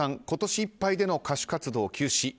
今年いっぱいでの歌手活動休止。